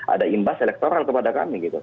ada imbas elektoral kepada kami gitu